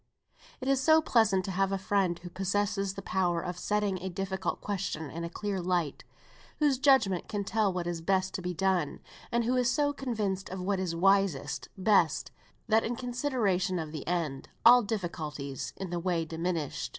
It is so pleasant to have a friend who possesses the power of setting a difficult question in a clear light; whose judgment can tell what is best to be done; and who is so convinced of what is "wisest, best," that in consideration of the end, all difficulties in the way diminish.